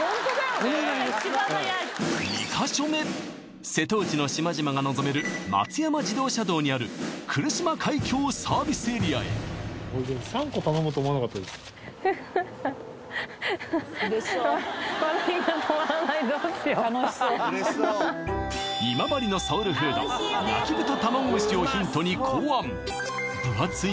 それが一番早い２か所目瀬戸内の島々が望める松山自動車道にある来島海峡サービスエリアへどうしよう今治のソウルフード焼豚玉子飯をヒントに考案分厚い